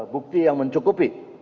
bukti yang mencukupi